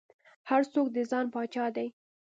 هر څوک د ځان پاچا دى.